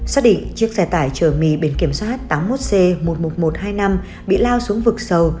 xác định chiếc xe tải chở mì biển kiểm soát tám mươi một c một mươi một nghìn một trăm hai mươi năm bị lao xuống vực sâu